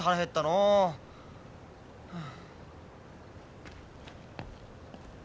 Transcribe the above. うん。